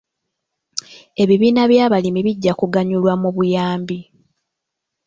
Ebibiina by'abalimi bijja kuganyulwa mu buyambi.